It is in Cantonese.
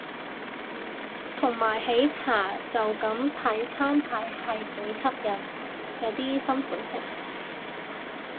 同埋喜茶就咁睇餐牌係幾吸引，有啲新款式